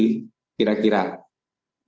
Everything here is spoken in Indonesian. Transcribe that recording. kami masih mencoba menggali